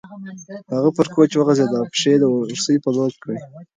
هغه پر کوچ وغځېده او پښې یې د اورسۍ په لور کړې.